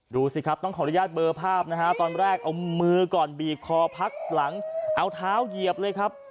ดูสิครับต้องขออนุญาตเบอร์ภาพนะฮะตอนแรกเอามือก่อนบีบคอพักหลังเอาเท้าเหยียบเลยครับ